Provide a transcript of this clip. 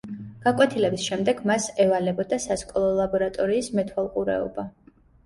გაკვეთილების შემდეგ მას ევალებოდა სასკოლო ლაბორატორიის მეთვალყურეობა.